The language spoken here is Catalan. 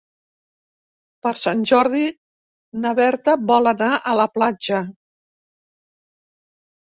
Per Sant Jordi na Berta vol anar a la platja.